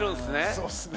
そうっすね。